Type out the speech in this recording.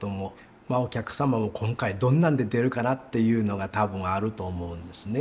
まあお客様も今回どんなんで出るかなっていうのが多分あると思うんですね。